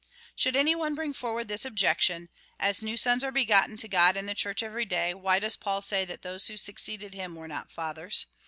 ^ Should any one bring forward this objection, " As new sons are begotten to God in the Church every day, why does Paul say that those who succeeded him were not fathers